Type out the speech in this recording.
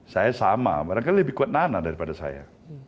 saya sama barangkali lebih kuat nana daripada saya